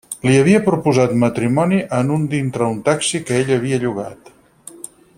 Li havia proposat matrimoni en un dintre un taxi que ell havia llogat.